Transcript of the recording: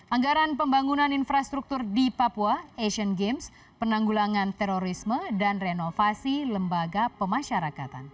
anggaran pembangunan infrastruktur di papua asian games penanggulangan terorisme dan renovasi lembaga pemasyarakatan